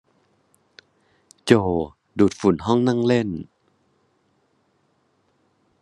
โจดูดฝุ่นห้องนั่งเล่น